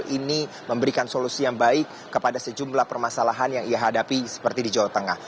ini memberikan solusi yang baik kepada sejumlah permasalahan yang ia hadapi seperti di jawa tengah